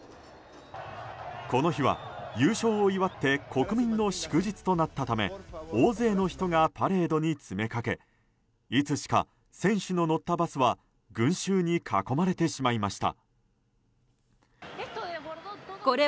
この日は優勝を祝って国民の祝日となったため大勢の人がパレードに詰めかけいつしか、選手の乗ったバスは群衆に囲まれてしまいました。